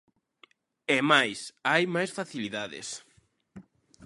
É máis, hai máis facilidades.